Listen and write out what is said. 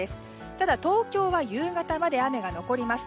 ただ、東京は夕方まで雨が残ります。